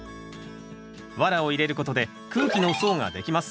ワラを入れることで空気の層ができます。